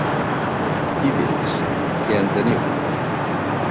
I d'ells, que en teniu?